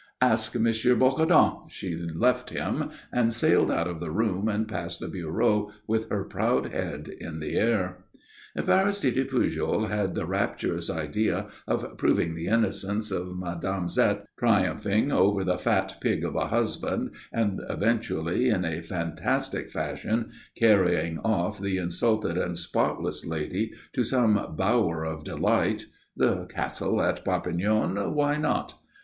"Ask M. Bocardon." She left him, and sailed out of the room and past the bureau with her proud head in the air. If Aristide Pujol had the rapturous idea of proving the innocence of Mme. Zette, triumphing over the fat pig of a husband, and eventually, in a fantastic fashion, carrying off the insulted and spotless lady to some bower of delight (the castle in Perpignan why not?)